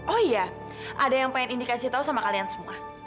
oh iya ada yang pengen indikasi tahu sama kalian semua